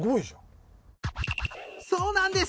そうなんです